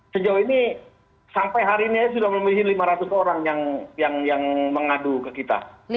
sejauh ini sampai hari ini saja sudah memiliki lima ratus orang yang mengadu ke kita